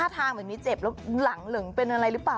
โหโหโหโหโหโห